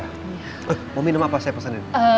eh mau minum apa saya pesenin